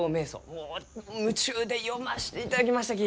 もう夢中で読ましていただきましたき！